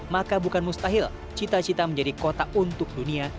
maka bukan mustahil cita cita menjadi kota untuk dunia